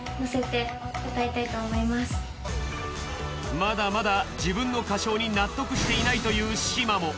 まだまだ自分の歌唱に納得していないというしまも。